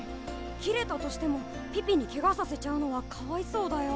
切れたとしてもピピにケガさせちゃうのはかわいそうだよ。